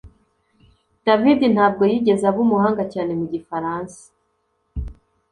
David ntabwo yigeze aba umuhanga cyane mu gifaransa